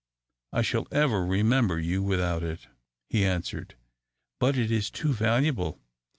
"I should ever remember you without it," he answered. "But it is too valuable.